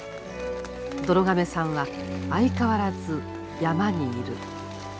どろ亀さんは相変わらず山にいる。